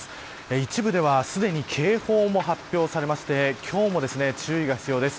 一部ではすでに警報も発表されまして今日も注意が必要です。